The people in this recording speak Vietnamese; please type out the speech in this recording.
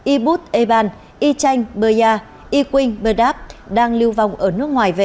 ibut eban ichan baya iquing berdap đang lưu vong ở nước ngoài về